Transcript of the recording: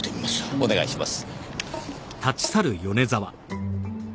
お願いします。